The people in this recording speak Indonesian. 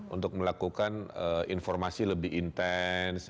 untuk melakukan informasi lebih intens